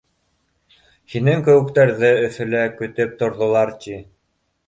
Һинең кеүектәрҙе Өфөлә көтөп торҙолар, ти!